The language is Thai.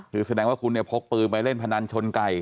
คือแสดงว่าคุณเนี่ยพกปืนไปเล่นพนันชนไก่